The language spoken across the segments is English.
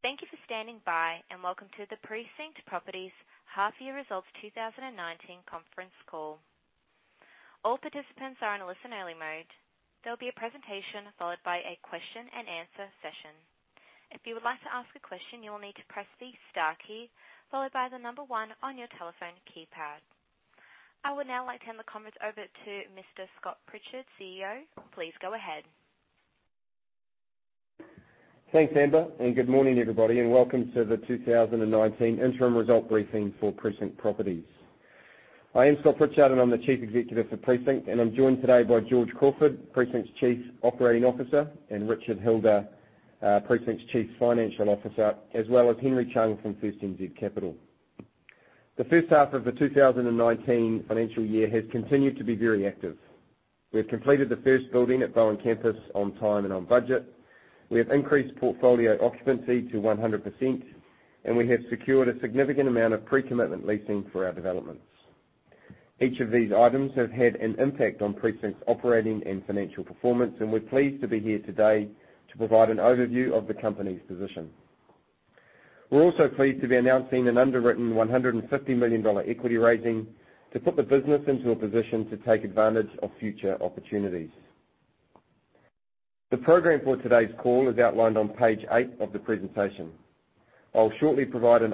Thank you for standing by, and welcome to the Precinct Properties Half Year Results 2019 conference call. All participants are in listen only mode. There will be a presentation followed by a question and answer session. If you would like to ask a question, you will need to press the star key followed by the number one on your telephone keypad. I would now like to hand the conference over to Mr. Scott Pritchard, CEO. Please go ahead. Thanks, Amber, and good morning, everybody, and welcome to the 2019 interim result briefing for Precinct Properties. I am Scott Pritchard, and I am the chief executive for Precinct, and I am joined today by George Crawford, Precinct's chief operating officer, and Richard Hilder, Precinct's chief financial officer, as well as Henry Chung from First NZ Capital. The first half of the 2019 financial year has continued to be very active. We have completed the first building at Bowen Campus on time and on budget. We have increased portfolio occupancy to 100%, and we have secured a significant amount of pre-commitment leasing for our developments. Each of these items have had an impact on Precinct's operating and financial performance, and we are pleased to be here today to provide an overview of the company's position. We are also pleased to be announcing an underwritten 150 million dollar equity raising to put the business into a position to take advantage of future opportunities. The program for today's call is outlined on page eight of the presentation. I will then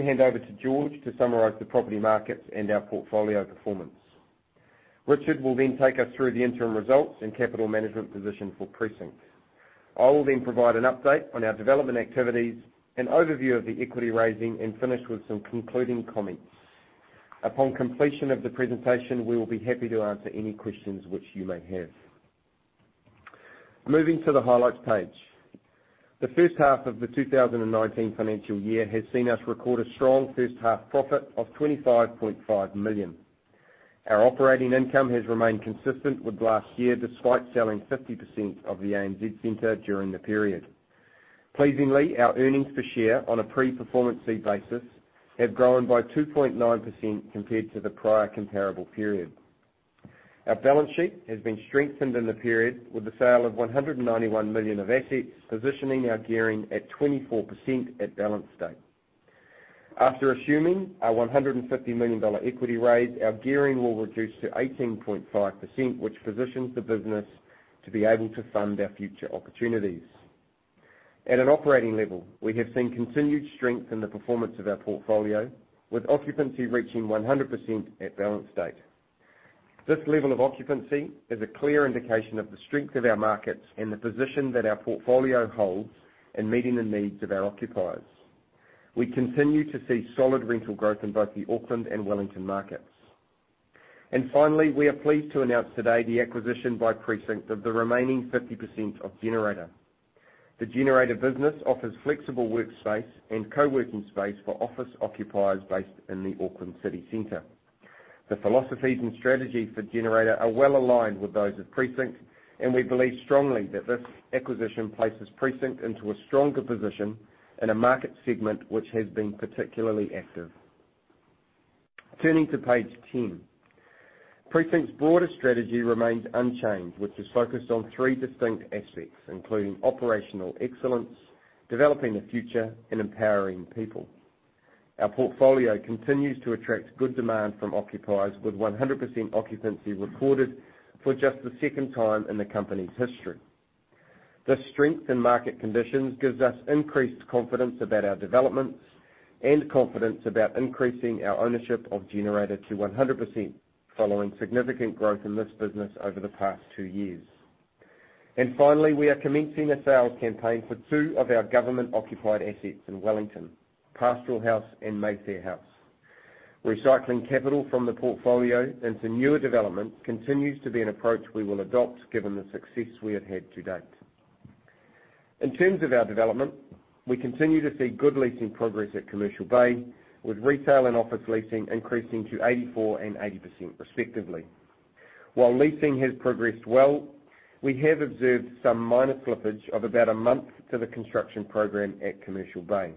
hand over to George to summarize the property markets and our portfolio performance. Richard will then take us through the interim results and capital management position for Precinct. I will then provide an update on our development activities, an overview of the equity raising, and finish with some concluding comments. Upon completion of the presentation, we will be happy to answer any questions which you may have. Moving to the highlights page. The first half of the 2019 financial year has seen us record a strong first-half profit of 25.5 million. Our operating income has remained consistent with last year, despite selling 50% of the ANZ Centre during the period. Pleasingly, our earnings per share on a pre-performance fee basis have grown by 2.9% compared to the prior comparable period. Our balance sheet has been strengthened in the period with the sale of 191 million of assets, positioning our gearing at 24% at balance date. After assuming our 150 million dollar equity raise, our gearing will reduce to 18.5%, which positions the business to be able to fund our future opportunities. At an operating level, we have seen continued strength in the performance of our portfolio, with occupancy reaching 100% at balance date. This level of occupancy is a clear indication of the strength of our markets and the position that our portfolio holds in meeting the needs of our occupiers. We continue to see solid rental growth in both the Auckland and Wellington markets. Finally, we are pleased to announce today the acquisition by Precinct of the remaining 50% of Generator. The Generator business offers flexible workspace and co-working space for office occupiers based in the Auckland city center. The philosophies and strategy for Generator are well aligned with those of Precinct, and we believe strongly that this acquisition places Precinct into a stronger position in a market segment which has been particularly active. Turning to page 10. Precinct's broader strategy remains unchanged, which is focused on three distinct aspects, including operational excellence, developing the future, and empowering people. Our portfolio continues to attract good demand from occupiers, with 100% occupancy recorded for just the second time in the company's history. This strength in market conditions gives us increased confidence about our developments and confidence about increasing our ownership of Generator to 100%, following significant growth in this business over the past two years. Finally, we are commencing a sales campaign for two of our government-occupied assets in Wellington, Pastoral House and Mayfair House. Recycling capital from the portfolio into newer development continues to be an approach we will adopt, given the success we have had to date. In terms of our development, we continue to see good leasing progress at Commercial Bay, with retail and office leasing increasing to 84% and 80% respectively. While leasing has progressed well, we have observed some minor slippage of about a month to the construction program at Commercial Bay.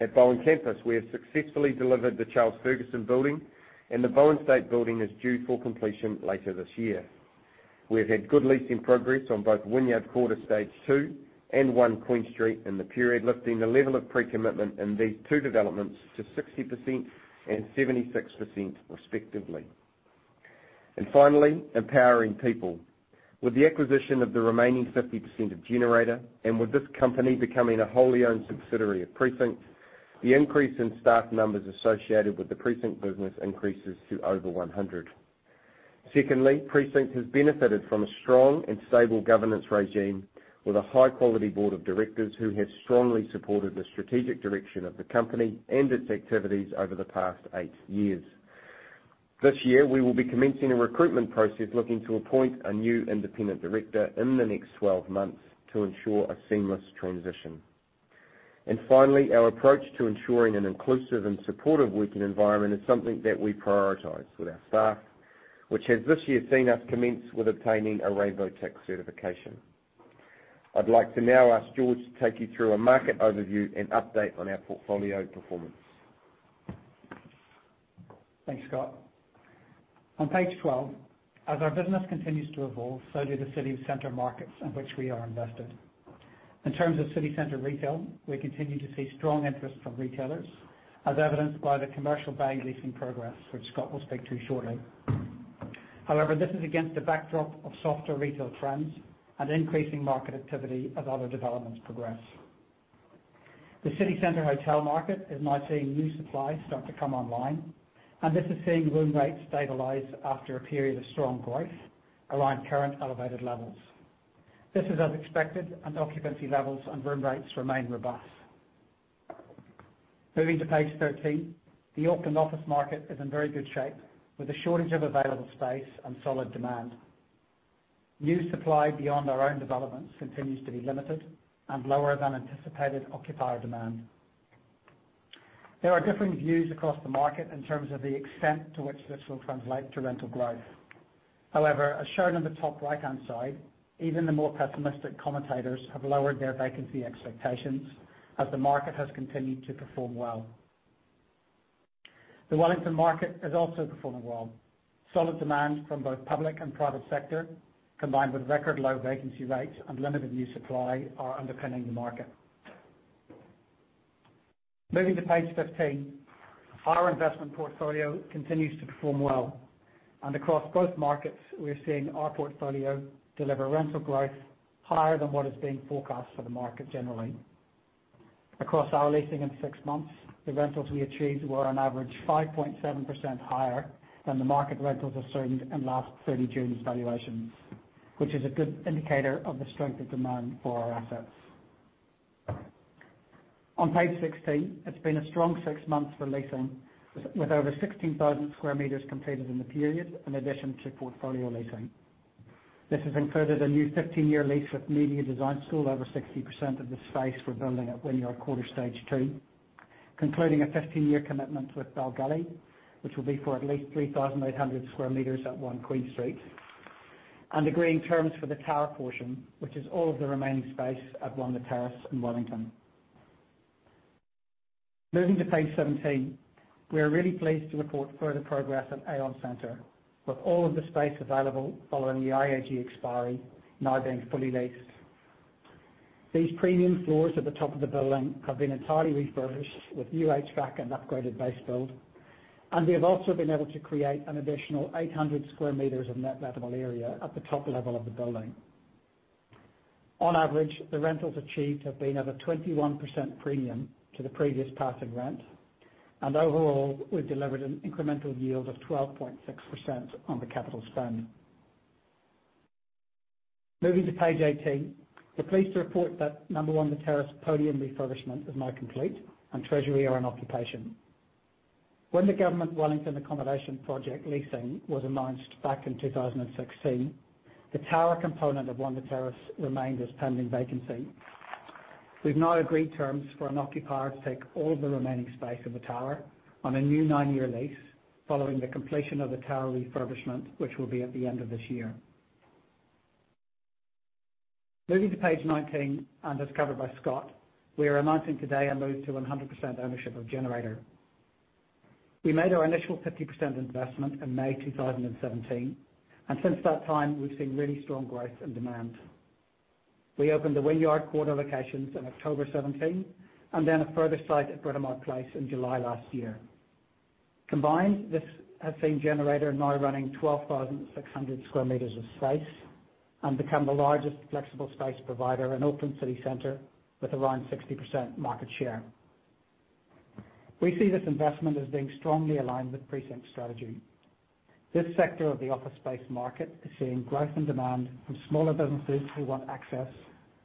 At Bowen Campus, we have successfully delivered the Charles Ferguson building, and the Bowen State building is due for completion later this year. We've had good leasing progress on both Wynyard Quarter stage 2 and One Queen Street in the period, lifting the level of pre-commitment in these two developments to 60% and 76% respectively. Finally, empowering people. With the acquisition of the remaining 50% of Generator and with this company becoming a wholly owned subsidiary of Precinct, the increase in staff numbers associated with the Precinct business increases to over 100. Secondly, Precinct has benefited from a strong and stable governance regime with a high-quality board of directors who have strongly supported the strategic direction of the company and its activities over the past eight years. This year, we will be commencing a recruitment process looking to appoint a new independent director in the next 12 months to ensure a seamless transition. Finally, our approach to ensuring an inclusive and supportive working environment is something that we prioritize with our staff, which has this year seen us commence with obtaining a Rainbow Tick certification. I'd like to now ask George to take you through a market overview and update on our portfolio performance. Thanks, Scott. On page 12, as our business continues to evolve, so do the city center markets in which we are invested. In terms of city center retail, we continue to see strong interest from retailers, as evidenced by the Commercial Bank leasing progress, which Scott will speak to shortly. However, this is against the backdrop of softer retail trends and increasing market activity as other developments progress. The city center hotel market is now seeing new supply start to come online, and this is seeing room rates stabilize after a period of strong growth around current elevated levels. This is as expected, and occupancy levels and room rates remain robust. Moving to page 13. The Auckland office market is in very good shape, with a shortage of available space and solid demand. New supply beyond our own developments continues to be limited and lower than anticipated occupier demand. As shown on the top right-hand side, even the more pessimistic commentators have lowered their vacancy expectations as the market has continued to perform well. The Wellington market is also performing well. Solid demand from both public and private sector, combined with record low vacancy rates and limited new supply, are underpinning the market. Moving to page 15. Our investment portfolio continues to perform well. Across both markets, we are seeing our portfolio deliver rental growth higher than what is being forecast for the market generally. Across our leasing in six months, the rentals we achieved were on average 5.7% higher than the market rentals assumed in last 30 June evaluations, which is a good indicator of the strength of demand for our assets. On page 16, it's been a strong six months for leasing, with over 16,000 sq m completed in the period in addition to portfolio leasing. This has included a new 15-year lease with Media Design School, over 60% of the space we're building at Wynyard Quarter Stage 2, concluding a 15-year commitment with Bell Gully, which will be for at least 3,800 sq m at One Queen Street, and agreeing terms for the tower portion, which is all of the remaining space at One The Terrace in Wellington. Moving to page 17. We are really pleased to report further progress at ANZ Centre. With all of the space available following the IAG expiry now being fully leased. These premium floors at the top of the building have been entirely refurbished with new HVAC and upgraded base build, and we have also been able to create an additional 800 sq m of net lettable area at the top level of the building. On average, the rentals achieved have been at a 21% premium to the previous passing rent. Overall, we've delivered an incremental yield of 12.6% on the capital spend. Moving to page 18. We're pleased to report that Number One The Terrace podium refurbishment is now complete, and Treasury are in occupation. When the government Wellington accommodation project leasing was announced back in 2016, the tower component of One The Terrace remained as pending vacancy. We've now agreed terms for an occupier to take all of the remaining space of the tower on a new nine-year lease following the completion of the tower refurbishment, which will be at the end of this year. Moving to page 19. As covered by Scott, we are announcing today a move to 100% ownership of Generator. We made our initial 50% investment in May 2017, and since that time, we've seen really strong growth and demand. We opened the Wynyard Quarter locations in October 2017, and then a further site at Britomart Place in July last year. Combined, this has seen Generator now running 12,600 sq m of space and become the largest flexible space provider in Auckland City Center with around 60% market share. We see this investment as being strongly aligned with Precinct's strategy. This sector of the office space market is seeing growth and demand from smaller businesses who want access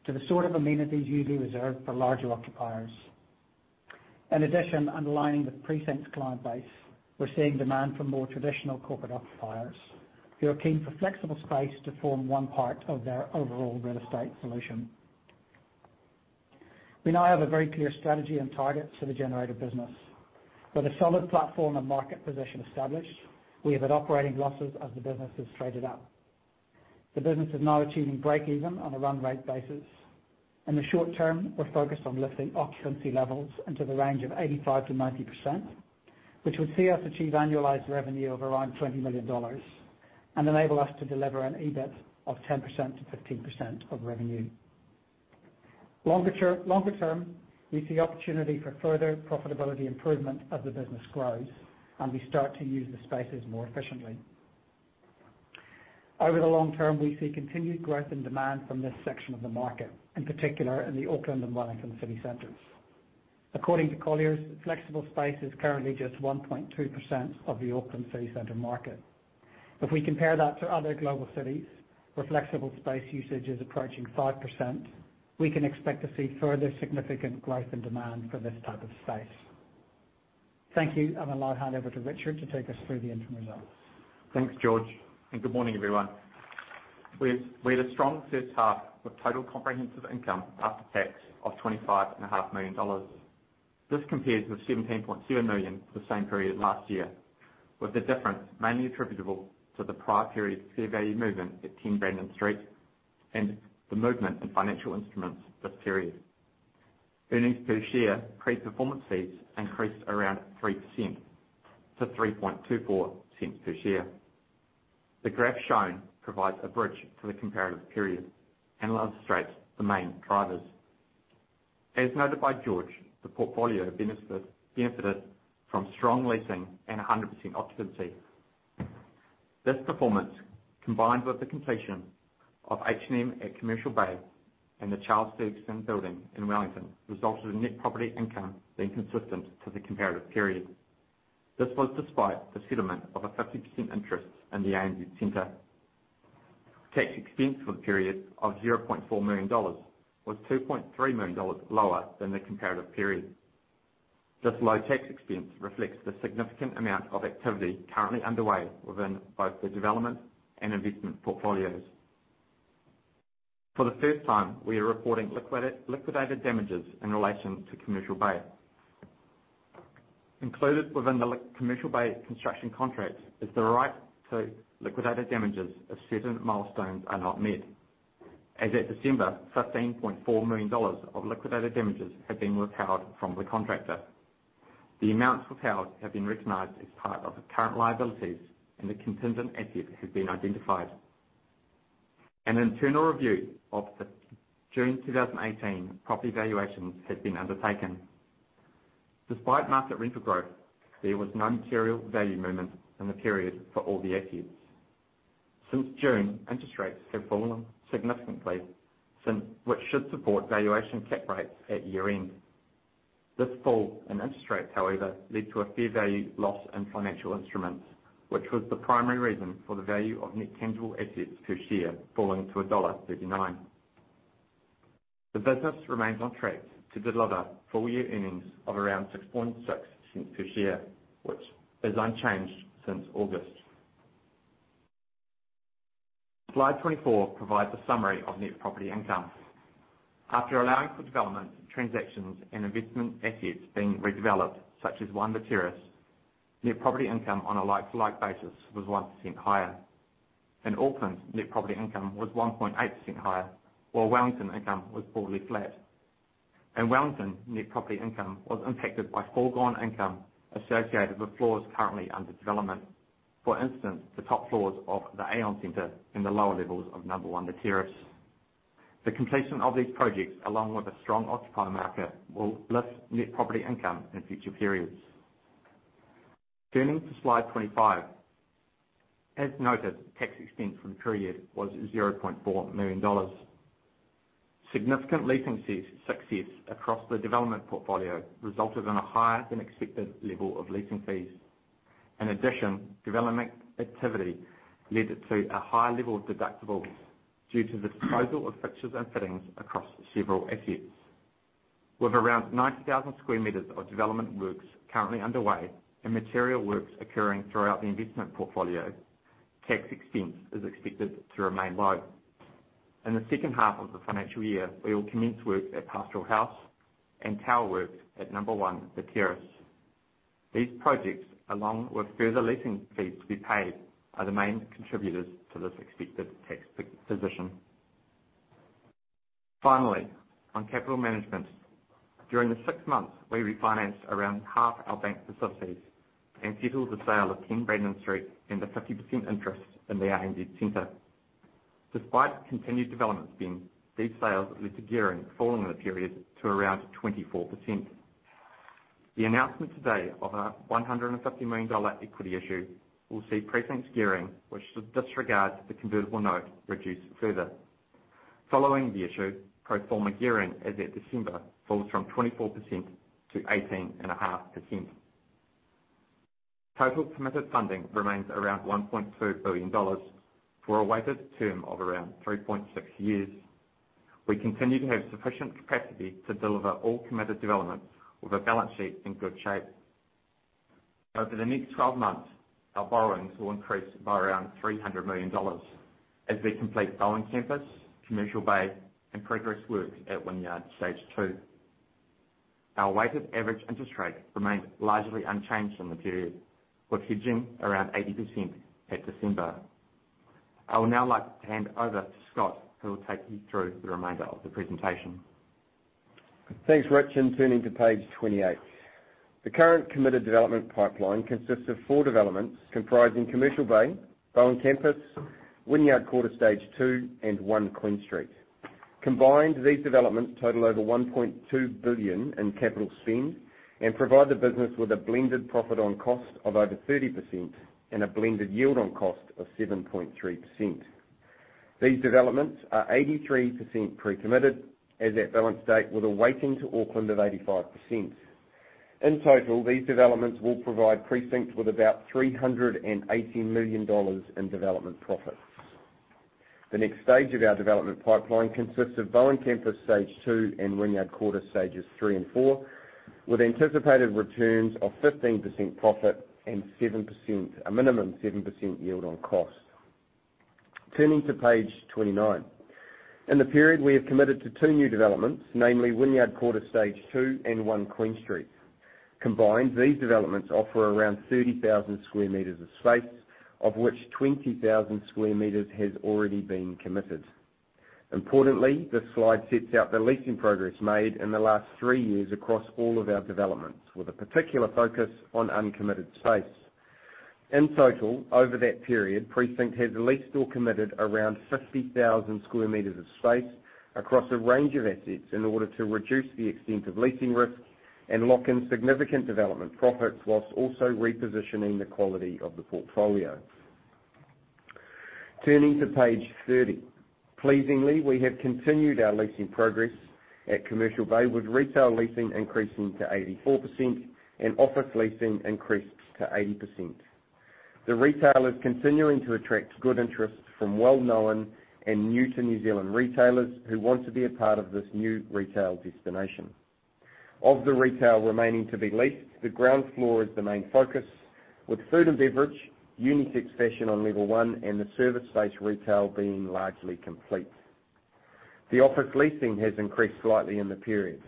to the sort of amenities usually reserved for larger occupiers. In addition, underlining with Precinct's client base, we're seeing demand for more traditional corporate occupiers who are keen for flexible space to form one part of their overall real estate solution. We now have a very clear strategy and targets for the Generator business. With a solid platform and market position established, we have had operating losses as the business has traded up. The business is now achieving break even on a run rate basis. In the short term, we're focused on lifting occupancy levels into the range of 85%-90%, which would see us achieve annualized revenue of around 20 million dollars and enable us to deliver an EBIT of 10%-15% of revenue. Longer term, we see opportunity for further profitability improvement as the business grows and we start to use the spaces more efficiently. Over the long term, we see continued growth and demand from this section of the market, in particular in the Auckland and Wellington City Centers. According to Colliers, flexible space is currently just 1.2% of the Auckland City Center market. If we compare that to other global cities where flexible space usage is approaching 5%, we can expect to see further significant growth and demand for this type of space. Thank you. I'll hand over to Richard to take us through the interim results. Thanks, George. Good morning, everyone. We had a strong first half with total comprehensive income after tax of 25.5 million dollars This compares with 17.7 million the same period last year, with the difference mainly attributable to the prior period fair value movement at 10 Brandon Street, and the movement in financial instruments this period. Earnings per share pre-performance fees increased around 3% to 0.0324 per share. The graph shown provides a bridge to the comparative period and illustrates the main drivers. As noted by George, the portfolio benefited from strong leasing and 100% occupancy. This performance, combined with the completion of H&M at Commercial Bay and the Charles Ferguson building in Wellington, resulted in net property income being consistent to the comparative period. This was despite the settlement of a 50% interest in the ANZ Centre. Tax expense for the period of 0.4 million dollars was 2.3 million dollars lower than the comparative period. This low tax expense reflects the significant amount of activity currently underway within both the development and investment portfolios. For the first time, we are reporting liquidated damages in relation to Commercial Bay. Included within the Commercial Bay construction contracts is the right to liquidated damages if certain milestones are not met. As at December, NZD 15.4 million of liquidated damages have been withheld from the contractor. The amounts withheld have been recognized as part of the current liabilities, and a contingent asset has been identified. An internal review of the June 2018 property valuations has been undertaken. Despite market rental growth, there was no material value movement in the period for all the assets. Since June, interest rates have fallen significantly, which should support valuation cap rates at year-end. This fall in interest rates, however, led to a fair value loss in financial instruments, which was the primary reason for the value of NTA per share falling to dollar 1.39. The business remains on track to deliver full-year earnings of around 0.066 per share, which is unchanged since August. Slide 24 provides a summary of net property income. After allowing for development transactions and investment assets being redeveloped, such as One The Terrace, net property income on a like-to-like basis was 1% higher. In Auckland, net property income was 1.8% higher, while Wellington income was broadly flat. In Wellington, net property income was impacted by foregone income associated with floors currently under development. For instance, the top floors of the Aon Center and the lower levels of Number One The Terrace. The completion of these projects, along with a strong occupier market, will lift net property income in future periods. Turning to Slide 25. As noted, tax expense for the period was 0.4 million dollars. Significant leasing success across the development portfolio resulted in a higher than expected level of leasing fees. In addition, development activity led to a high level of deductibles due to the disposal of fixtures and fittings across several assets. With around 90,000 sq m of development works currently underway and material works occurring throughout the investment portfolio, tax expense is expected to remain low. In the second half of the financial year, we will commence work at Pastoral House and tower works at Number One The Terrace. These projects, along with further leasing fees to be paid, are the main contributors to this expected tax position. Finally, on capital management. During the six months, we refinanced around half our bank facilities and settled the sale of 10 Brandon Street and a 50% interest in the ANZ Centre. Despite continued development spend, these sales led to gearing falling in the period to around 24%. The announcement today of a 150 million dollar equity issue will see Precinct's gearing, which should disregard the convertible note, reduced further. Following the issue, pro forma gearing as at December falls from 24% to 18.5%. Total committed funding remains around NZD 1.2 billion for a weighted term of around 3.6 years. We continue to have sufficient capacity to deliver all committed developments with a balance sheet in good shape. Over the next 12 months, our borrowings will increase by around 300 million dollars as we complete Bowen Campus, Commercial Bay, and progress work at Wynyard Stage 2. Our weighted average interest rate remains largely unchanged from the period, with hedging around 80% at December. I would now like to hand over to Scott, who will take you through the remainder of the presentation. Thanks, Rich. Turning to page 28. The current committed development pipeline consists of four developments comprising Commercial Bay, Bowen Campus, Wynyard Quarter Stage 2, and One Queen Street. Combined, these developments total over 1.2 billion in capital spend and provide the business with a blended profit on cost of over 30% and a blended yield on cost of 7.3%. These developments are 83% pre-committed as at balance date, with a weighting to Auckland of 85%. In total, these developments will provide Precinct with about 380 million dollars in development profits. The next stage of our development pipeline consists of Bowen Campus Stage 2 and Wynyard Quarter Stages 3 and 4, with anticipated returns of 15% profit and a minimum 7% yield on cost. Turning to page 29. In the period, we have committed to two new developments, namely Wynyard Quarter Stage 2 and One Queen Street. Combined, these developments offer around 30,000 sq m of space, of which 20,000 sq m has already been committed. Importantly, this slide sets out the leasing progress made in the last three years across all of our developments, with a particular focus on uncommitted space. In total, over that period, Precinct has leased or committed around 50,000 sq m of space across a range of assets in order to reduce the extent of leasing risk and lock in significant development profits, whilst also repositioning the quality of the portfolio. Turning to page 30. Pleasingly, we have continued our leasing progress at Commercial Bay, with retail leasing increasing to 84% and office leasing increased to 80%. The retail is continuing to attract good interest from well-known and new to New Zealand retailers who want to be a part of this new retail destination. Of the retail remaining to be leased, the ground floor is the main focus, with food and beverage, unisex fashion on level 1, and the service space retail being largely complete. The office leasing has increased slightly in the period.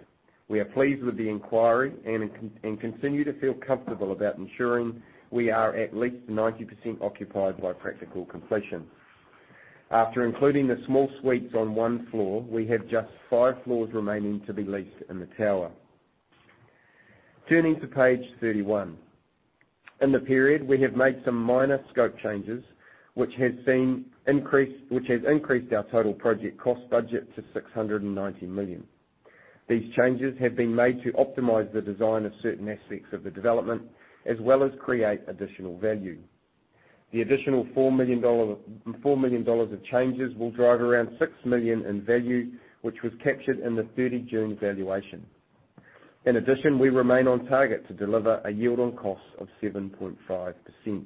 We are pleased with the inquiry and continue to feel comfortable about ensuring we are at least 90% occupied by practical completion. After including the small suites on one floor, we have just five floors remaining to be leased in the tower. Turning to page 31. In the period, we have made some minor scope changes, which has increased our total project cost budget to 690 million. These changes have been made to optimize the design of certain aspects of the development, as well as create additional value. The additional 4 million dollars of changes will drive around 6 million in value, which was captured in the 30 June valuation. In addition, we remain on target to deliver a yield on cost of 7.5%.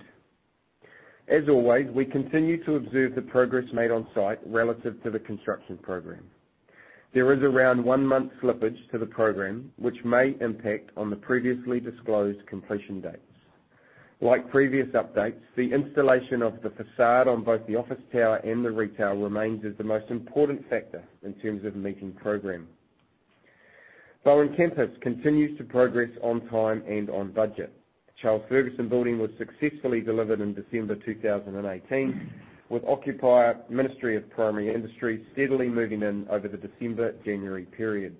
As always, we continue to observe the progress made on site relative to the construction program. There is around one month slippage to the program, which may impact on the previously disclosed completion dates. Like previous updates, the installation of the façade on both the office tower and the retail remains as the most important factor in terms of meeting program. Bowen Campus continues to progress on time and on budget. Charles Ferguson Building was successfully delivered in December 2018, with occupier Ministry for Primary Industries steadily moving in over the December-January period.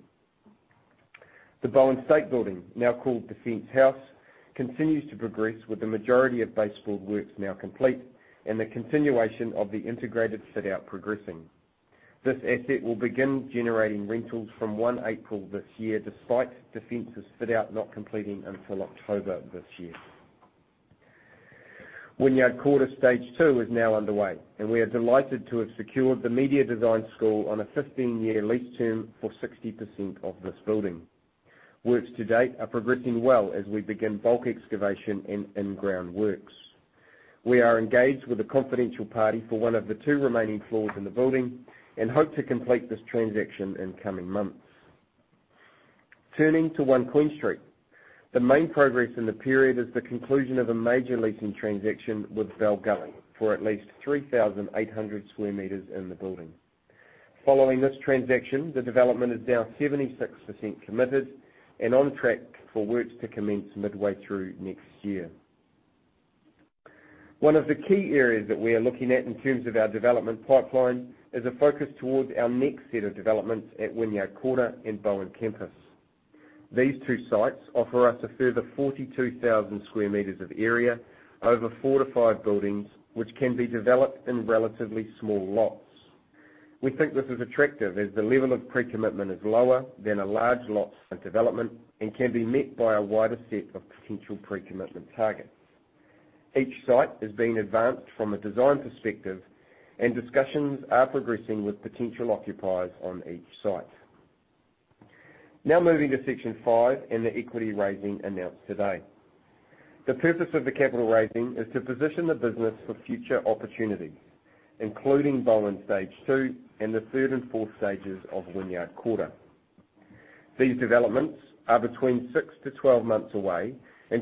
The Bowen State Building, now called Defence House, continues to progress with the majority of base build works now complete and the continuation of the integrated fit-out progressing. This asset will begin generating rentals from 1 April this year, despite Defence's fit-out not completing until October this year. Wynyard Quarter Stage 2 is now underway, and we are delighted to have secured the Media Design School on a 15-year lease term for 60% of this building. Works to date are progressing well as we begin bulk excavation and in-ground works. We are engaged with a confidential party for one of the two remaining floors in the building and hope to complete this transaction in coming months. Turning to One Queen Street. The main progress in the period is the conclusion of a major leasing transaction with Val Gelling for at least 3,800 square meters in the building. Following this transaction, the development is now 76% committed and on track for works to commence midway through next year. One of the key areas that we are looking at in terms of our development pipeline is a focus towards our next set of developments at Wynyard Quarter and Bowen Campus. These two sites offer us a further 42,000 square meters of area over four to five buildings, which can be developed in relatively small lots. We think this is attractive as the level of pre-commitment is lower than a large lot site development and can be met by a wider set of potential pre-commitment targets. Each site is being advanced from a design perspective and discussions are progressing with potential occupiers on each site. Now moving to section five and the equity raising announced today. The purpose of the capital raising is to position the business for future opportunities, including Bowen Stage 2 and the third and fourth stages of Wynyard Quarter. These developments are between six to 12 months away.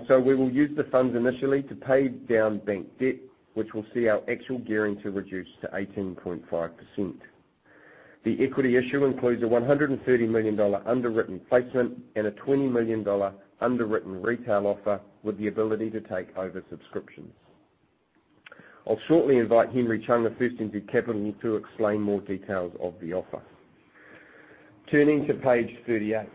So we will use the funds initially to pay down bank debt, which will see our actual gearing to reduce to 18.5%. The equity issue includes a 130 million dollar underwritten placement and a 20 million dollar underwritten retail offer with the ability to take over subscriptions. I will shortly invite Henry Chung of First NZ Capital to explain more details of the offer. Turning to page 38.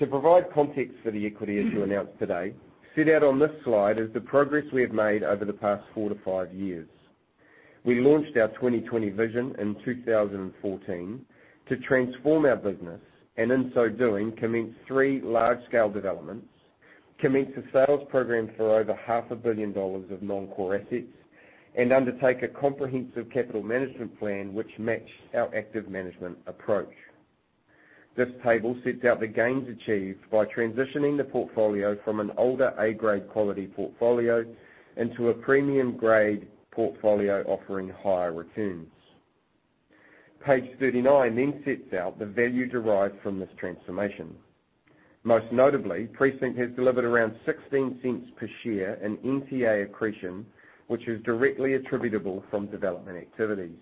To provide context for the equity issue announced today, set out on this slide is the progress we have made over the past four to five years. We launched our 2020 vision in 2014 to transform our business. In so doing, commence three large-scale developments, commence a sales program for over half a billion NZD of non-core assets, and undertake a comprehensive capital management plan which matched our active management approach. This table sets out the gains achieved by transitioning the portfolio from an older A grade quality portfolio into a premium grade portfolio offering higher returns. Page 39 then sets out the value derived from this transformation. Most notably, Precinct has delivered around 0.16 per share in NTA accretion, which is directly attributable from development activities.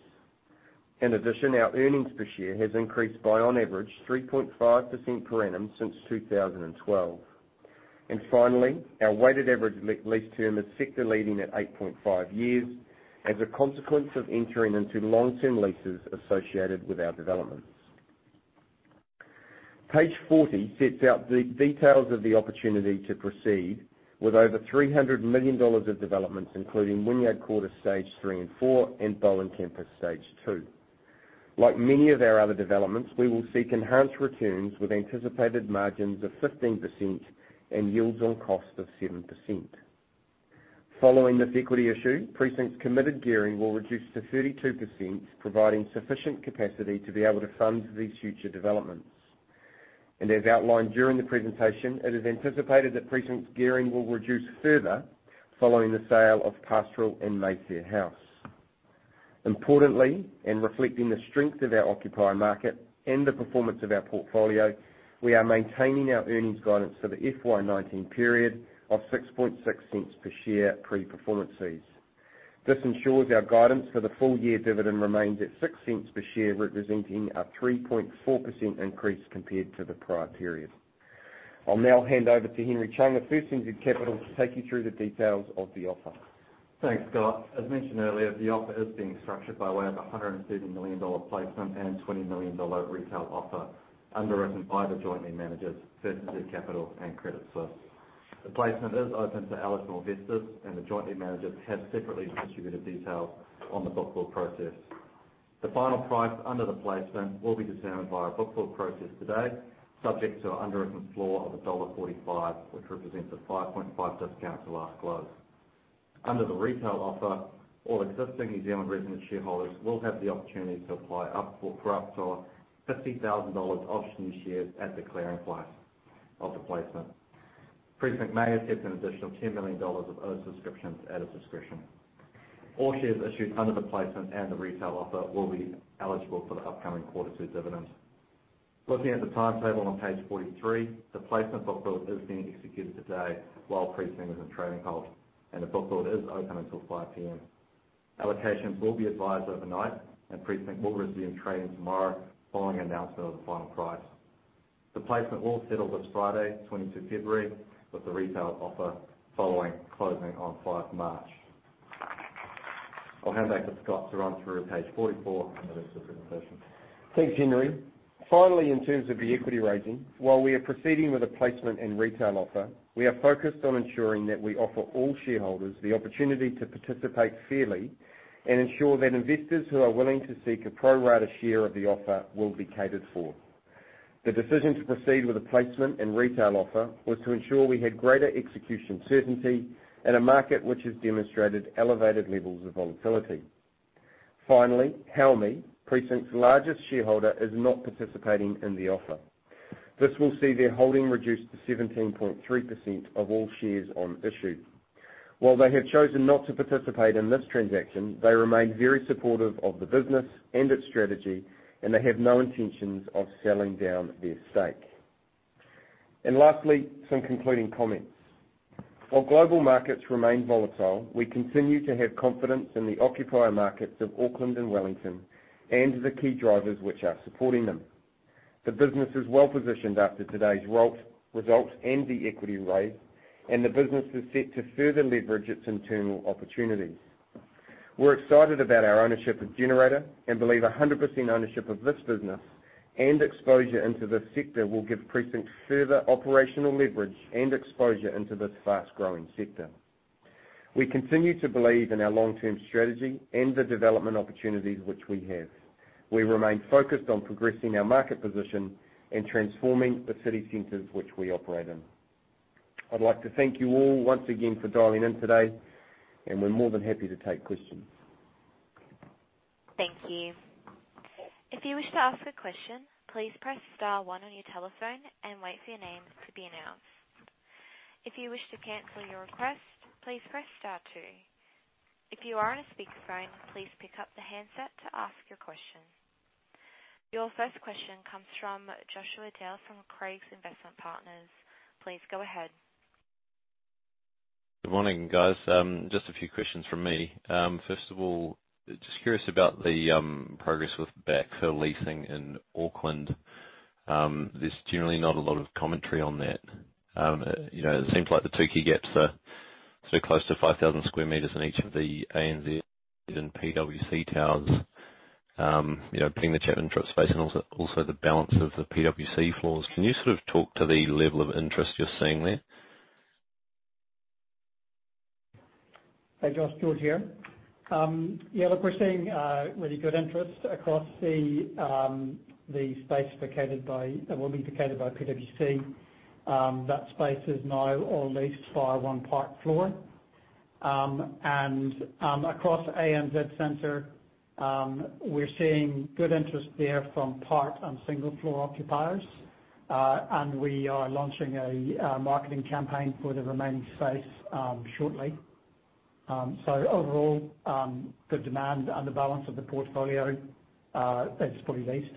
In addition, our earnings per share has increased by on average 3.5% per annum since 2012. Finally, our weighted average lease term is sector-leading at 8.5 years as a consequence of entering into long-term leases associated with our developments. Page 40 sets out the details of the opportunity to proceed with over 300 million dollars of developments, including Wynyard Quarter Stage III and IV and Bowen Campus Stage II. Like many of our other developments, we will seek enhanced returns with anticipated margins of 15% and yields on cost of 7%. Following this equity issue, Precinct's committed gearing will reduce to 32%, providing sufficient capacity to be able to fund these future developments. As outlined during the presentation, it is anticipated that Precinct's gearing will reduce further following the sale of Pastoral and Mayfair House. Importantly, in reflecting the strength of our occupier market and the performance of our portfolio, we are maintaining our earnings guidance for the FY 2019 period of 0.066 per share pre-performance fees. This ensures our guidance for the full-year dividend remains at 0.06 per share, representing a 3.4% increase compared to the prior period. I will now hand over to Henry Chung of First NZ Capital to take you through the details of the offer. Thanks, Scott. As mentioned earlier, the offer is being structured by way of a 130 million dollar placement and 20 million dollar retail offer underwritten by the joint lead managers, First NZ Capital and Credit Suisse. The placement is open to eligible investors, and the joint lead managers have separately distributed details on the book build process. The final price under the placement will be determined by a book build process today, subject to an underwritten floor of dollar 1.45, which represents a 5.5% discount to last close. Under the retail offer, all existing New Zealand resident shareholders will have the opportunity to apply for up to 50,000 dollars of new shares at the clearing price of the placement. Precinct may accept an additional 10 million dollars of oversubscriptions at its discretion. All shares issued under the placement and the retail offer will be eligible for the upcoming quarter two dividend. Looking at the timetable on page 43, the placement book build is being executed today while Precinct is in trading halt. The book build is open until 5:00 P.M. Allocations will be advised overnight. Precinct will resume trading tomorrow following announcement of the final price. The placement will settle this Friday, 22 February, with the retail offer following closing on 5 March. I'll hand back to Scott to run through page 44 and the rest of the presentation. Thanks, Henry. Finally, in terms of the equity raising, while we are proceeding with a placement and retail offer, we are focused on ensuring that we offer all shareholders the opportunity to participate fairly and ensure that investors who are willing to seek a pro-rata share of the offer will be catered for. The decision to proceed with a placement and retail offer was to ensure we had greater execution certainty in a market which has demonstrated elevated levels of volatility. Finally, Haumi, Precinct's largest shareholder, is not participating in the offer. This will see their holding reduced to 17.3% of all shares on issue. While they have chosen not to participate in this transaction, they remain very supportive of the business and its strategy. They have no intentions of selling down their stake. Lastly, some concluding comments. While global markets remain volatile, we continue to have confidence in the occupier markets of Auckland and Wellington and the key drivers which are supporting them. The business is well-positioned after today's result and the equity raise. The business is set to further leverage its internal opportunities. We're excited about our ownership of Generator and believe 100% ownership of this business and exposure into this sector will give Precinct further operational leverage and exposure into this fast-growing sector. We continue to believe in our long-term strategy and the development opportunities which we have. We remain focused on progressing our market position and transforming the city centers which we operate in. I'd like to thank you all once again for dialing in today. We're more than happy to take questions. Thank you. If you wish to ask a question, please press star one on your telephone and wait for your name to be announced. If you wish to cancel your request, please press star two. If you are on a speakerphone, please pick up the handset to ask your question. Your first question comes from Joshua Dale from Craigs Investment Partners. Please go ahead. Good morning, guys. Just a few questions from me. First of all, just curious about the progress with backfill leasing in Auckland. There is generally not a lot of commentary on that. It seems like the two key gaps are close to 5,000 sq m in each of the ANZ and PwC towers, being the Chapman Tripp space and also the balance of the PwC floors. Can you talk to the level of interest you are seeing there? Hey, Josh. George here. Yeah, look, we are seeing really good interest across the space that will be vacated by PwC. That space is now all leased via one part floor. Across ANZ Centre, we are seeing good interest there from part and single-floor occupiers, and we are launching a marketing campaign for the remaining space shortly. Overall, good demand and the balance of the portfolio is fully leased.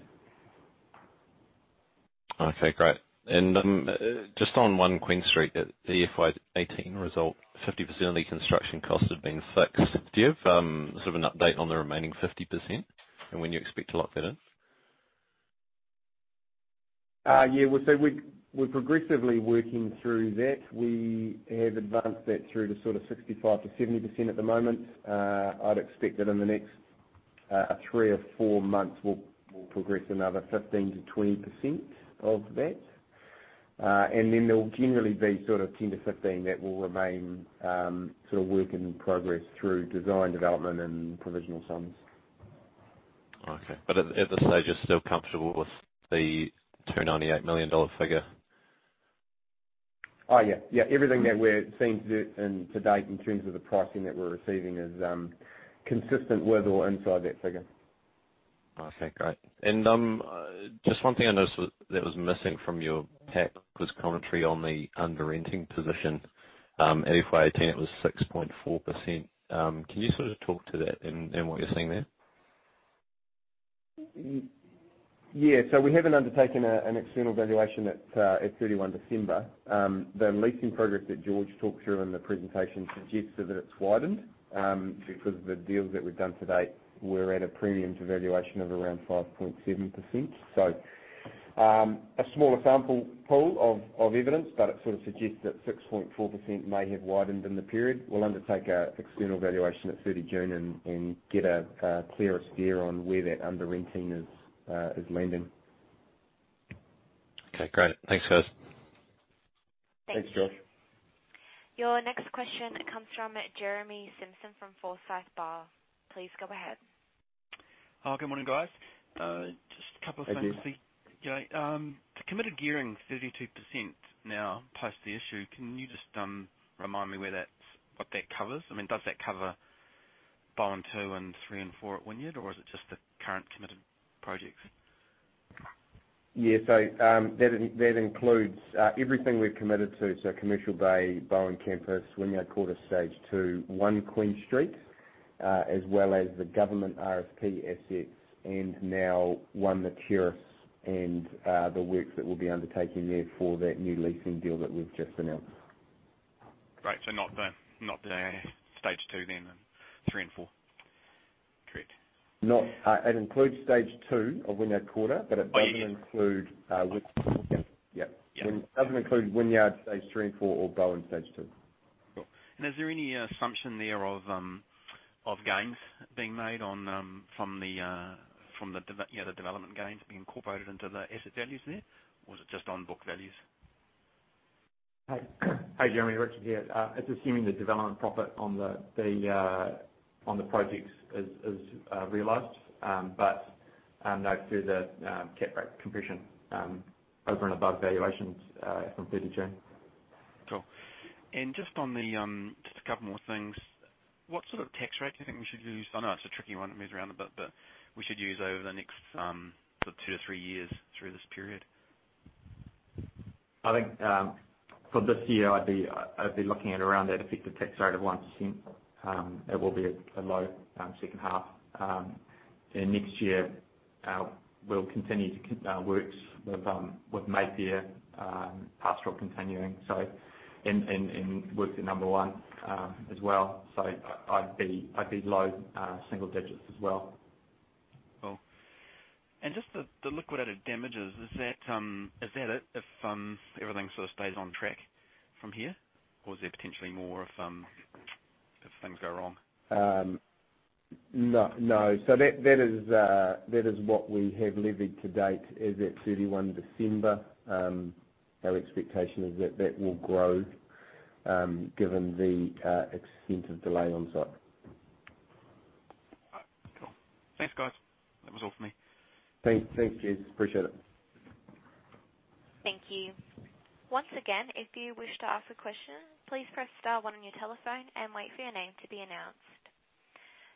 Okay, great. Just on 1 Queen Street, at the FY 2018 result, 50% of the construction cost had been fixed. Do you have an update on the remaining 50% and when you expect to lock that in? We're progressively working through that. We have advanced that through to 65%-70% at the moment. I'd expect that in the next three or four months, we'll progress another 15%-20% of that. There'll generally be 10-15 that will remain work in progress through design, development, and provisional sums. Okay. At this stage, you're still comfortable with the 298 million dollar figure? Everything that we're seeing to date in terms of the pricing that we're receiving is consistent with or inside that figure. Okay, great. Just one thing I noticed that was missing from your pack was commentary on the under-renting position. At FY 2018, it was 6.4%. Can you talk to that and what you're seeing there? Yeah. We haven't undertaken an external valuation at 31 December. The leasing progress that George talked through in the presentation suggests that it's widened. Because the deals that we've done to date were at a premium to valuation of around 5.7%. A smaller sample pool of evidence, but it suggests that 6.4% may have widened in the period. We'll undertake an external valuation at 30 June and get a clearer steer on where that under-renting is landing. Okay, great. Thanks, guys. Thanks. Thanks, Josh. Your next question comes from Jeremy Simpson from Forsyth Barr. Please go ahead. Good morning, guys. Just a couple of things. Hey, Jeremy. The committed gearing is 32% now post the issue. Can you just remind me what that covers? Does that cover Bowen 2 and 3 and 4 at Wynyard, or is it just the current committed projects? Yeah. That includes everything we've committed to. Commercial Bay, Bowen Campus, Wynyard Quarter stage 2, One Queen Street, as well as the government RSP assets, now One The Terrace and the works that we'll be undertaking there for that new leasing deal that we've just announced. Great. not the stage 2 then, and 3 and 4? Correct. It includes stage 2 of Wynyard Quarter, but it doesn't include. Oh, yeah. Wynyard stage 3 and 4 or Bowen stage 2. Cool. is there any assumption there of gains being made from the development gains being incorporated into the asset values there, or is it just on book values? Hi, Jeremy. Richard here. It's assuming the development profit on the projects is realized. no further cap rate compression over and above valuations from 30 June. Cool. just a couple more things. What sort of tax rate do you think we should use? I know it's a tricky one. It moves around a bit. we should use over the next two to three years through this period. I think for this year, I'd be looking at around that effective tax rate of 1%. It will be a low second half. next year, we'll continue works with Mayfair Pastoral continuing, and work at number one as well. I'd be low single digits as well. Cool. Just the liquidated damages. Is that it if everything stays on track from here, or is there potentially more if things go wrong? No. That is what we have levied to date as at 31 December. Our expectation is that that will grow given the extent of delay on site. Cool. Thanks, guys. That was all for me. Thanks. Appreciate it. Thank you. Once again, if you wish to ask a question, please press star one on your telephone and wait for your name to be announced.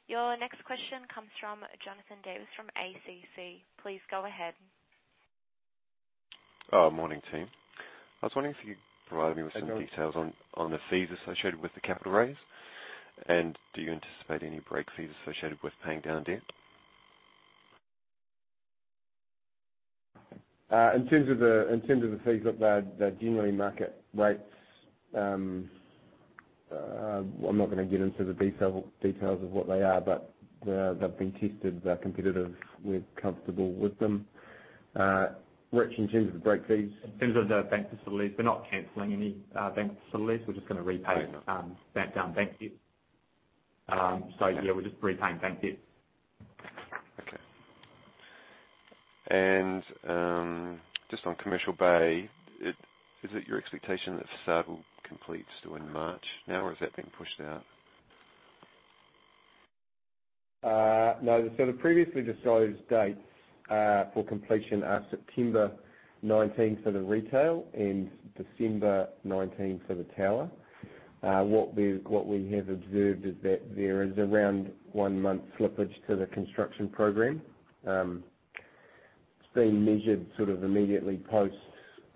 Your next question comes from Jonathan Davis from ACC. Please go ahead. Morning, team. I was wondering if you could provide me with some details on the fees associated with the capital raise. Do you anticipate any break fees associated with paying down debt? In terms of the fees, look, they're generally market rates. I'm not going to get into the details of what they are, but they've been tested. They're competitive. We're comfortable with them. Rich, in terms of the break fees? In terms of the bank facilities, we're not canceling any bank facilities. We're just going to repay. I know that down bank debt. Yeah, we're just repaying bank debt. Okay. Just on Commercial Bay, is it your expectation that facade will complete still in March now, or has that been pushed out? No. The previously disclosed dates for completion are September 2019 for the retail and December 2019 for the tower. What we have observed is that there is around one month slippage to the construction program. It's been measured immediately post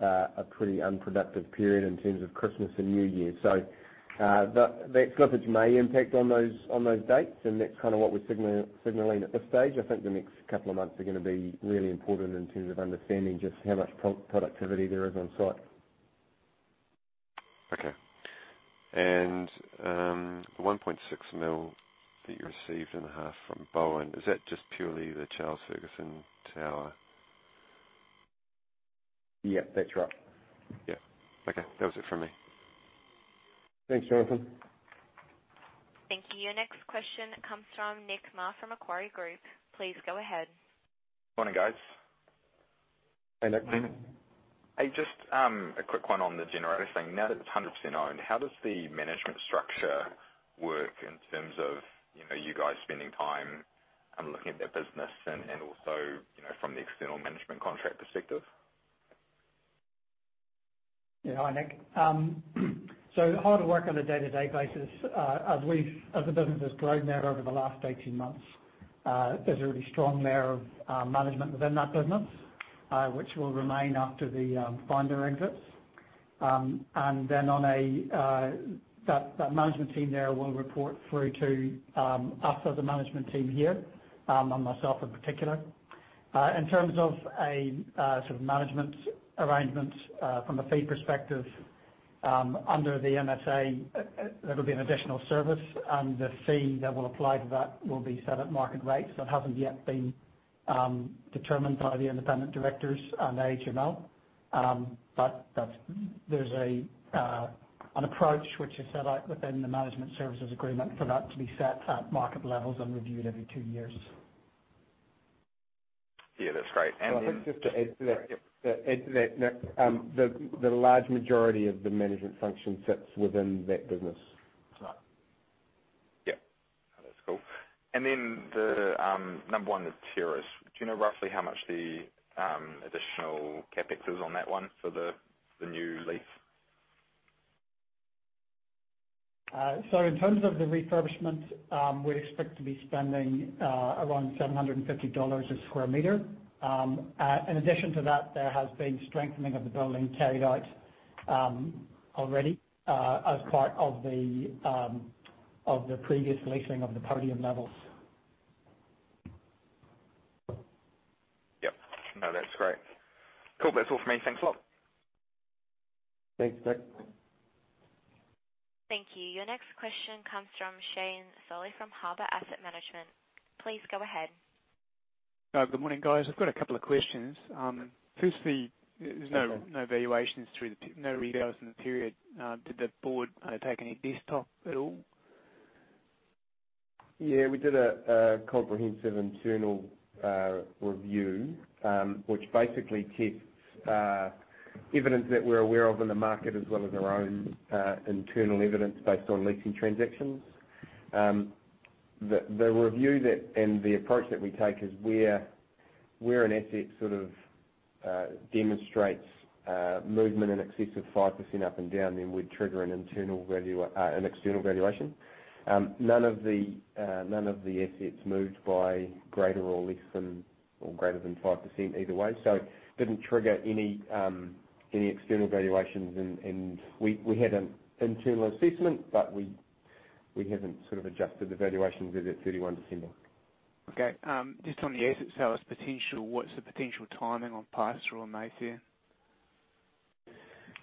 a pretty unproductive period in terms of Christmas and New Year. That slippage may impact on those dates, and that's what we're signaling at this stage. I think the next couple of months are going to be really important in terms of understanding just how much productivity there is on-site. Okay. The 1.6 million that you received in the half from Bowen, is that just purely the Charles Ferguson Tower? Yep, that's right. Yep. Okay. That was it from me. Thanks, Jonathan. Thank you. Your next question comes from Nick Maas from Macquarie Group. Please go ahead. Morning, guys. Hey, Nick. Hey, just a quick one on the Generator thing. Now that it's 100% owned, how does the management structure work in terms of you guys spending time and looking at that business and also from the external management contract perspective? Yeah. Hi, Nick. The hard work on a day-to-day basis, as the business has grown there over the last 18 months, there's a really strong layer of management within that business, which will remain after the finder exits. Then that management team there will report through to us as a management team here, and myself in particular. In terms of a management arrangement from a fee perspective, under the MSA, there will be an additional service, and the fee that will apply to that will be set at market rates. That hasn't yet been determined by the independent directors and the AHML. There's an approach which is set out within the management services agreement for that to be set at market levels and reviewed every two years. Yeah, that's great. I think just to add to that, Nick, the large majority of the management function sits within that business. Right. Yep. No, that's cool. Number One The Terrace, do you know roughly how much the additional CapEx is on that one for the new lease? In terms of the refurbishment, we'd expect to be spending around 750 dollars a square meter. In addition to that, there has been strengthening of the building carried out already as part of the previous leasing of the podium levels. Yep. No, that's great. Cool. That's all from me. Thanks a lot. Thanks, Nick. Thank you. Your next question comes from Shane Solly from Harbour Asset Management. Please go ahead. Good morning, guys. I've got a couple of questions. Firstly, there's no valuations, no reveals in the period. Did the board take any desktop at all? Yeah, we did a comprehensive internal review, which basically tests evidence that we're aware of in the market as well as our own internal evidence based on leasing transactions. The review and the approach that we take is where an asset sort of demonstrates movement in excess of 5% up and down, then we'd trigger an external valuation. None of the assets moved by greater or less than, or greater than 5% either way. Didn't trigger any external valuations. We had an internal assessment, but we haven't adjusted the valuations as at 31 December. Okay. Just on the asset sales potential, what's the potential timing on Pastoral or Mayfair?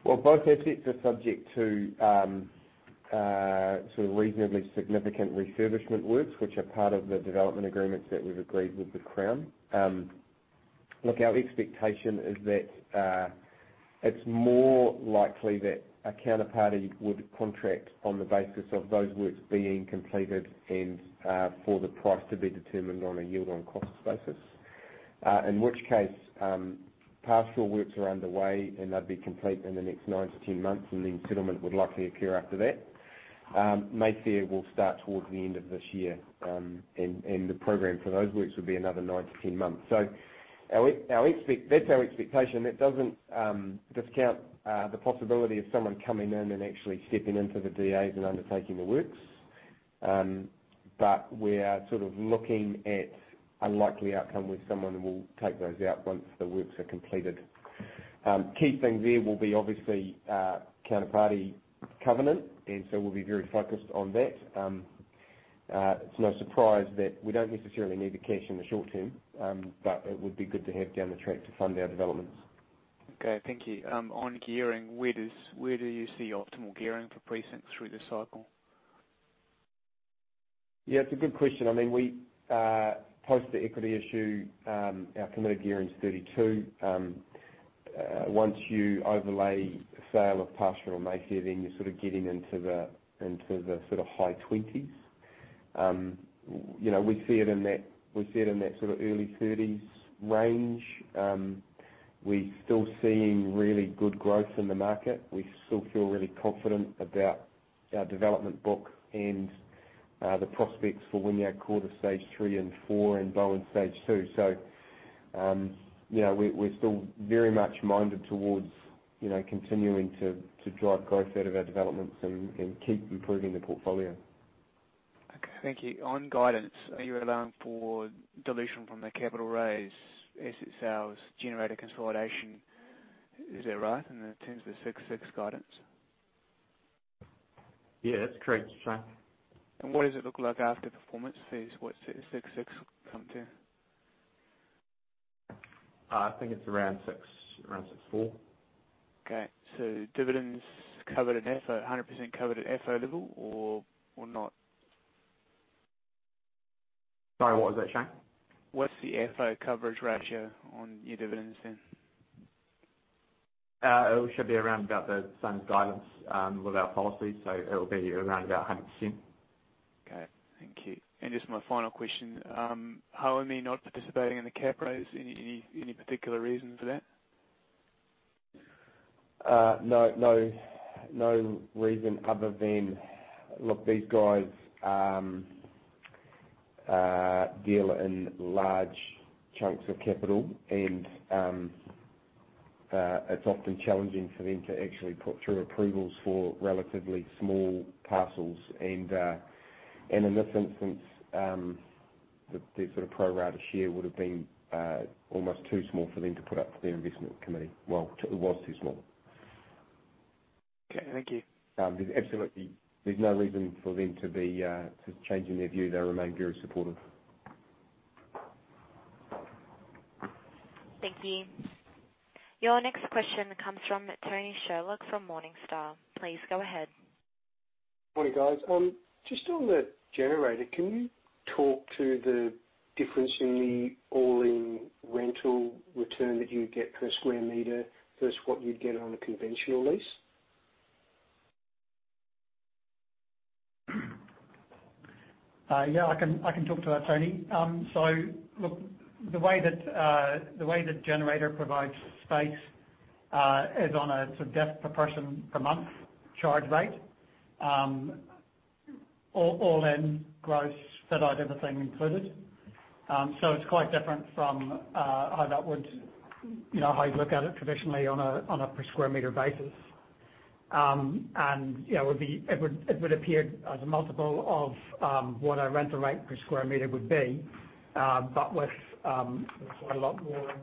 Well, both assets are subject to reasonably significant refurbishment works, which are part of the development agreements that we've agreed with the Crown. Look, our expectation is that it's more likely that a counterparty would contract on the basis of those works being completed and for the price to be determined on a yield on cost basis. In which case, Pastoral works are underway, and they'd be complete in the next 9-10 months, and then settlement would likely occur after that. Mayfair will start towards the end of this year, and the program for those works would be another 9-10 months. That's our expectation. That doesn't discount the possibility of someone coming in and actually stepping into the DAs and undertaking the works. We're looking at a likely outcome with someone, and we'll take those out once the works are completed. Key thing there will be obviously counterparty covenant. We'll be very focused on that. It's no surprise that we don't necessarily need the cash in the short term. It would be good to have down the track to fund our developments. Okay, thank you. On gearing, where do you see optimal gearing for Precinct through this cycle? Yeah, it's a good question. Post the equity issue, our committed gearing is 32%. Once you overlay the sale of Pastoral House or Mayfair House, you're getting into the high 20s. We see it in that early 30s range. We're still seeing really good growth in the market. We still feel really confident about our development book and the prospects for Wynyard Quarter stage 3 and 4 and Bowen Campus stage 2. Thank you. On guidance, are you allowing for dilution from the capital raise, asset sales, Generator consolidation, is that right, in terms of 6.6 guidance? Yeah, that's correct, Shane. What does it look like after performance fees? What's 6.6 come to? I think it's around six, around 6.4. Okay. Dividends covered at 100% covered at FO level or not? Sorry, what was that, Shane? What's the FO coverage ratio on your dividends then? It should be around about the same guidance, with our policy, so it'll be around about 100%. Okay, thank you. Just my final question. H&M not participating in the cap raise, any particular reason for that? No. No reason other than, look, these guys deal in large chunks of capital and it's often challenging for them to actually put through approvals for relatively small parcels. In this instance, the sort of pro rata share would've been almost too small for them to put up to their investment committee. Well, it was too small. Okay. Thank you. Absolutely. There's no reason for them to be changing their view. They remain very supportive. Thank you. Your next question comes from Tony Sherlock from Morningstar. Please go ahead. Morning, guys. Just on the Generator, can you talk to the difference in the all-in rental return that you would get per square meter versus what you'd get on a conventional lease? Yeah, I can talk to that, Tony. Look, the way that Generator provides space is on a desk per person per month charge rate. All in growth, fit out, everything included. It's quite different from how you look at it traditionally on a per square meter basis. It would appear as a multiple of what a rental rate per square meter would be. With a lot more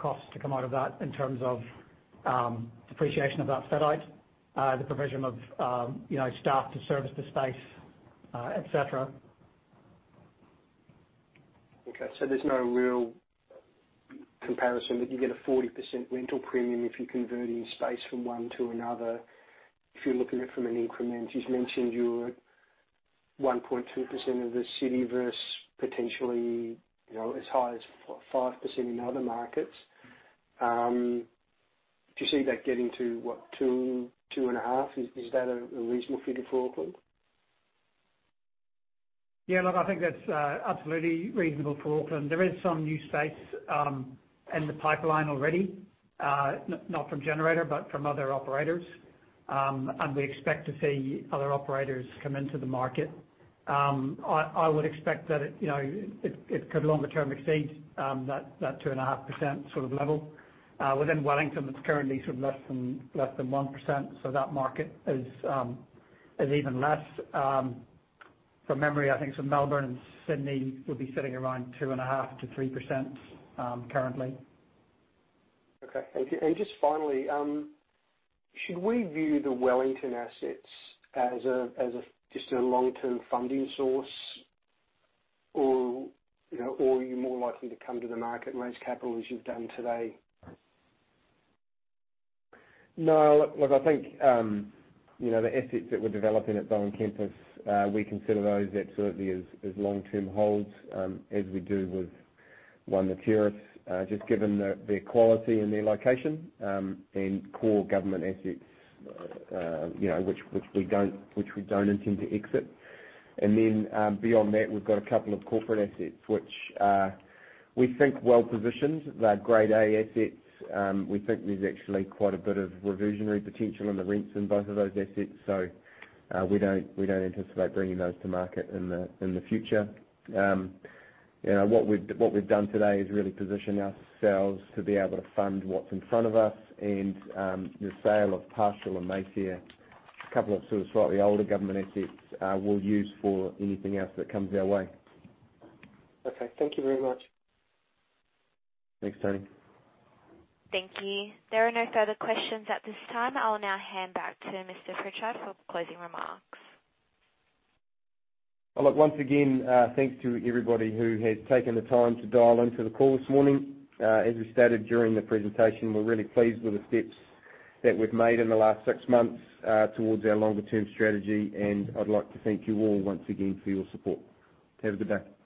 costs to come out of that in terms of depreciation of that fit out, the provision of staff to service the space, et cetera. Okay. There's no real comparison, you get a 40% rental premium if you're converting space from one to another. If you're looking at it from an increment, you've mentioned you're at 1.2% of the city versus potentially as high as 5% in other markets. Do you see that getting to what, 2.5%? Is that a reasonable figure for Auckland? Yeah, look, I think that's absolutely reasonable for Auckland. There is some new space in the pipeline already. Not from Generator, from other operators. We expect to see other operators come into the market. I would expect that it could longer term exceed that 2.5% level. Within Wellington, it's currently less than 1%, that market is even less. From memory, I think Melbourne and Sydney would be sitting around 2.5%-3% currently. Okay. Thank you. Just finally, should we view the Wellington assets as just a long-term funding source? Or are you more likely to come to the market and raise capital as you've done today? No. Look, I think, the assets that we're developing at Bowen Campus, we consider those absolutely as long-term holds, as we do with One The Terrace. Just given their quality and their location, core government assets which we don't intend to exit. Beyond that, we've got a couple of corporate assets which we think well-positioned. They're grade A assets. We think there's actually quite a bit of reversionary potential in the rents in both of those assets. We don't anticipate bringing those to market in the future. What we've done today is really position ourselves to be able to fund what's in front of us and the sale of Pastoral and Mayfair, a couple of sort of slightly older government assets we'll use for anything else that comes our way. Okay. Thank you very much. Thanks, Tony. Thank you. There are no further questions at this time. I'll now hand back to Mr. Pritchard for closing remarks. Look, once again, thanks to everybody who has taken the time to dial in for the call this morning. As we stated during the presentation, we're really pleased with the steps that we've made in the last six months towards our longer-term strategy. I'd like to thank you all once again for your support. Have a good day.